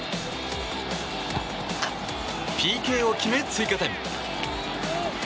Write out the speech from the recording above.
ＰＫを決め、追加点。